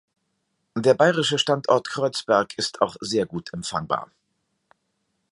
Der bayerische Standort Kreuzberg ist auch sehr gut empfangbar.